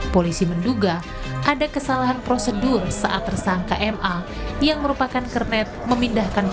polisi menduga ada kesalahan prosedur saat tersangka ma yang merupakan kernet memindahkan